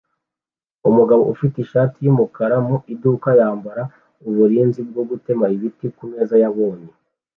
Umugabo ufite ishati yumukara mu iduka yambara uburinzi bwo gutema ibiti kumeza yabonye